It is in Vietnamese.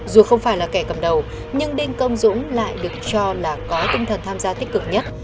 dù không phải là kẻ cầm đầu nhưng đinh công dũng lại được cho là có tinh thần tham gia tích cực nhất